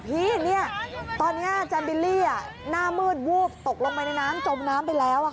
พี่ตอนนี้จันบิลลี่หน้ามืดวูบตกลงไปในน้ำจมน้ำไปแล้วค่ะ